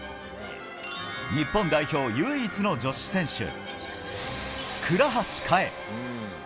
日本代表唯一の女子選手倉橋香衣。